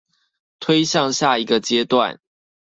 推向下一個階段